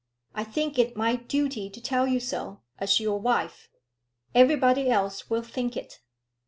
I think it my duty to tell you so, as your wife. Everybody else will think it.